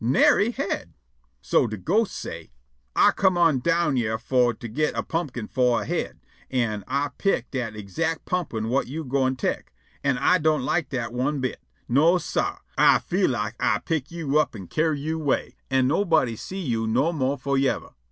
Nary head. So de ghost say': "Ah come on down yere fo' to git a pumpkin fo' a head, an' Ah pick' dat ixact pumpkin whut yo' gwine tek, an' Ah don't like dat one bit. No, sah. Ah feel like Ah pick yo' up an' carry yo' away, an' nobody see you no more for yever.